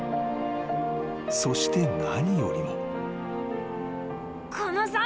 ［そして何よりも］